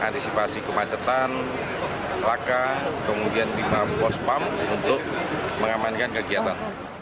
antisipasi kemacetan laka kemudian tim pospam untuk mengamankan kegiatan